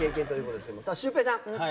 シュウペイさん。